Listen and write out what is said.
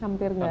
hampir gak ada